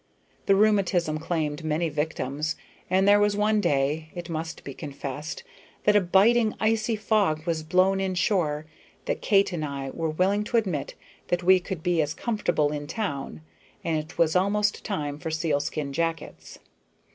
The rheumatism claimed many victims, and there was one day, it must be confessed, when a biting, icy fog was blown in shore, that Kate and I were willing to admit that we could be as comfortable in town, and it was almost time for sealskin jackets.